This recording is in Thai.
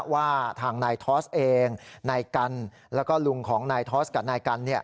ว่าทางนายทอสเองนายกันแล้วก็ลุงของนายทอสกับนายกัน